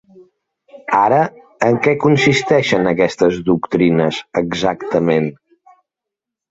Ara, en què consisteixen aquestes doctrines exactament?